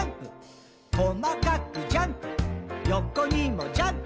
「こまかくジャンプ」「横にもジャンプ」